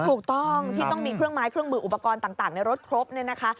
ถูกต้องที่ต้องมีเครื่องไม้เครื่องมืออุปกรณ์ต่างในรถครบเนี่ยนะคะ